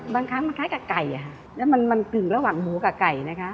บางครั้งมันคล้ายกับไก่แล้วมันกึ่งระหว่างหมูกับไก่นะคะ